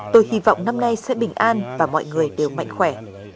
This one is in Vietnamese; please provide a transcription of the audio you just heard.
tôi hy vọng năm nay sẽ bình an và mọi người đều mạnh khỏe